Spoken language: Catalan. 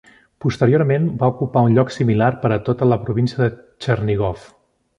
Posteriorment va ocupar un lloc similar per a tota la província de Txernigov.